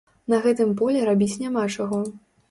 На гэтым полі рабіць няма чаго.